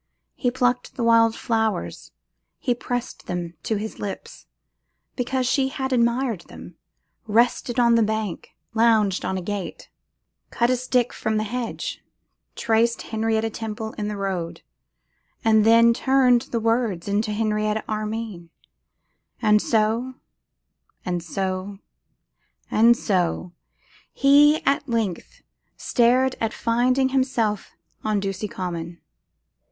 He plucked the wild flowers, and pressed them to his lips, because she had admired them; rested on a bank, lounged on a gate, cut a stick from the hedge, traced Henrietta Temple in the road, and then turned the words into Henrietta Armine, and so and so and so, he, at length, stared at finding himself on Ducie Common.